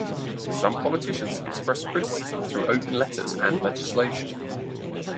Some politicians have expressed criticism through open letters and legislation.